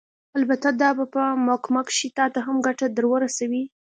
البته دا به په محکمه کښې تا ته هم ګټه درورسوي.